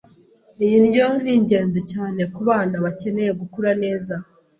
Iyi ndyo ni ingenzi cyane ku bana bakeneye gukura neza